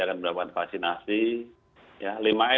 akan melakukan vaksinasi